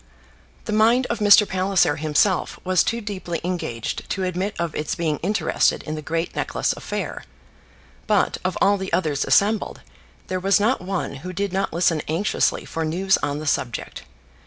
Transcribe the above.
The mind of Mr. Palliser himself was too deeply engaged to admit of its being interested in the great necklace affair; but, of all the others assembled, there was not one who did not listen anxiously for news on the subject.